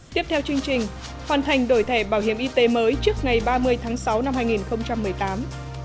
tiếp theo chương trình hoàn thành đổi thẻ bảo hiểm y tế mới trước ngày ba mươi tháng sáu năm hai nghìn một mươi tám